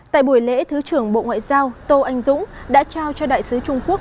tại buổi lễ thứ trưởng bộ ngoại giao tô anh dũng đã trao cho đại sứ trung quốc